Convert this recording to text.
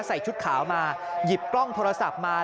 ใส่ชุดขาวมาหยิบกล้องโทรศัพท์มา